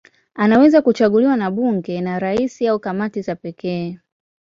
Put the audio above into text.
Anaweza kuchaguliwa na bunge, na rais au kamati za pekee.